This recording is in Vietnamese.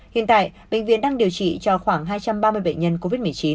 hiện tại bệnh viện đang điều trị cho khoảng hai trăm ba mươi bệnh nhân covid một mươi chín